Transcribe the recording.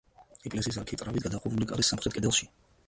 ეკლესიის არქიტრავით გადახურული კარი სამხრეთ კედელშია.